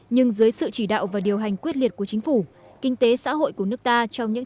nhưng dưới sự chỉ đạo và điều hành quyết liệt của chính phủ kinh tế xã hội của nước ta trong những